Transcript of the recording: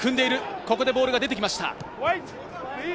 ここでボールが出てきました。